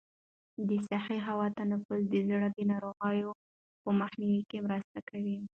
د صحي هوا تنفس د زړه د ناروغیو په مخنیوي کې مرسته کوي.